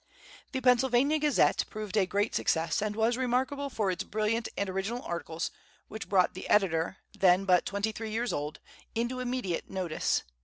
"The Pennsylvania Gazette" proved a great success, and was remarkable for its brilliant and original articles, which brought the editor, then but twenty three years old, into immediate notice.